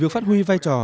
được phát huy vai trò